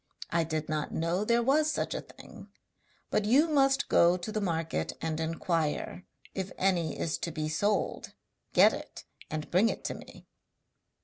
I did not know there was such a thing, but you must go to the market and inquire, and if any is to be sold, get it and bring it to me.'